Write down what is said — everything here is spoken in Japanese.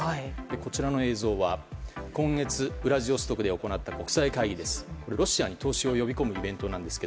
こちらの映像は今月ウラジオストクで行った国際会議ですが、ロシアに投資を呼び込むイベントです。